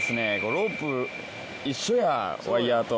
ロープ一緒やワイヤと。